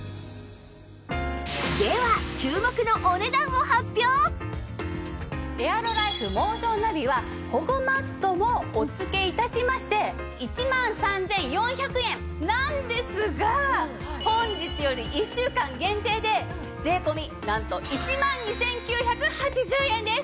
では注目のエアロライフモーションナビは保護マットもお付け致しまして１万３４００円なんですが本日より１週間限定で税込なんと１万２９８０円です！